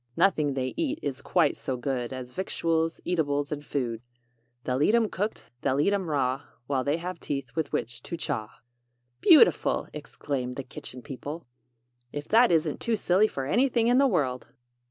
Nothing they eat is quite so good As victuals, eatables and food. They'll eat 'em cooked, they'll eat 'em raw, While they have teeth with which to chaw.'" "Beautiful!" exclaimed the Kitchen People. "If that isn't too silly for anything in the world!"